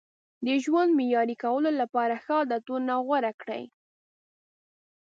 د ژوند معیاري کولو لپاره ښه عادتونه غوره کړئ.